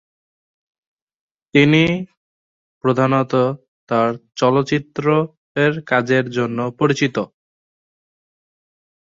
তিনি প্রধানত তার চলচ্চিত্রের কাজের জন্য পরিচিত।